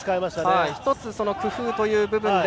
１つ、工夫という部分で。